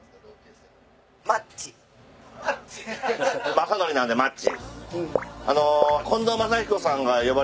雅紀なんでマッチ。